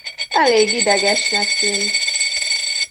Elég idegesnek tűnt.